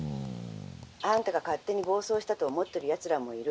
「あんたが勝手に暴走したと思ってるやつらもいる。